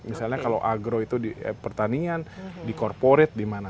misalnya kalau agro itu di pertanian di corporate di mana